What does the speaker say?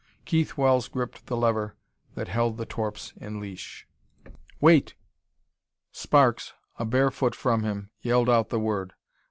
Keith Wells gripped the lever that held the torps in leash. "Wait!" Sparks, a bare foot from him, yelled out the word.